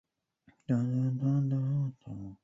霍治曼县是美国堪萨斯州西南部的一个县。